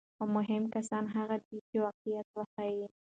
خو مهم کسان هغه دي چې واقعیت وښيي.